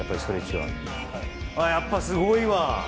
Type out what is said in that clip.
はいあやっぱすごいわ！